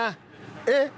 えっ？